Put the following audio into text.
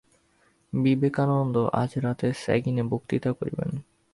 বিবে কানন্দ আজ রাত্রে স্যাগিনে বক্তৃতা করিবেন।